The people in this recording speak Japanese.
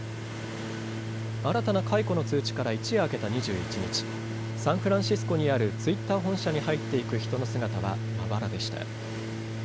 新たな解雇の通知から一夜明けた２１日、サンフランシスコにあるツイッター本社に入っていく人の姿はまばらでした。